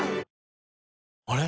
あれ？